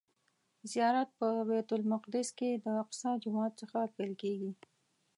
زیارت په بیت المقدس کې د الاقصی جومات څخه پیل کیږي.